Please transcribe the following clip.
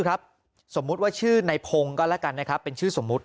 ครับสมมุติว่าชื่อในพงศ์ก็แล้วกันนะครับเป็นชื่อสมมุติ